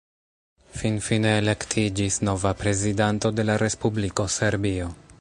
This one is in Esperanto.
Finfine elektiĝis nova prezidanto de la respubliko Serbio.